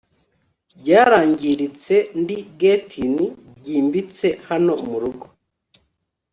byarangiritse, ndi gettin 'byimbitse hano murugo